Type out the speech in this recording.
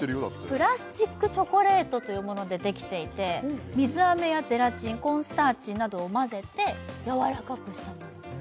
プラスチックチョコレートというものでできていて水あめやゼラチンコーンスターチなどを混ぜてやわらかくしたものです